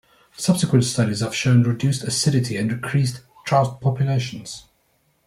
Subsequent studies have shown reduced acidity and increased trout populations.